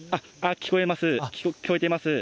聞こえています。